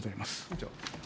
以上。